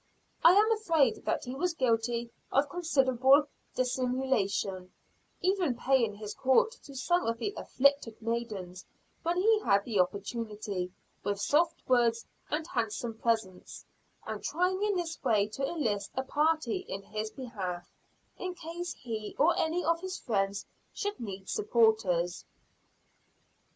I am afraid that he was guilty of considerable dissimulation, even paying his court to some of the "afflicted" maidens when he had the opportunity, with soft words and handsome presents; and trying in this way to enlist a party in his behalf, in case he or any of his friends should need supporters.